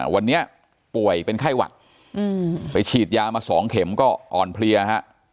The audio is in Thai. วันนี้ป่วยเป็นไข้หวัดไปฉีดยามา๒เข็มก็อ่อนเพลียฮะ